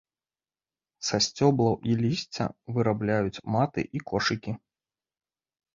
Са сцёблаў і лісця вырабляюць маты і кошыкі.